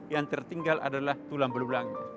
yang tertinggal adalah tulang belulang